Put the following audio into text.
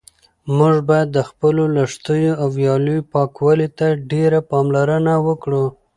موږ باید د خپلو لښتیو او ویالو پاکوالي ته ډېره پاملرنه وکړو.